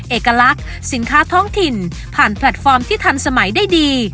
เอกลักษณ์สินค้าท้องถิ่นผ่านแพลตฟอร์มที่ทันสมัยได้ดี